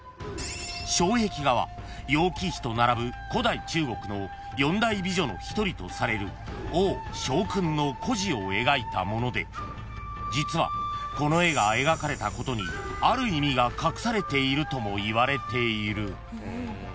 ［障壁画は楊貴妃と並ぶ古代中国の四大美女の一人とされる王昭君の故事を描いたもので実はこの絵が描かれたことにある意味が隠されているともいわれている］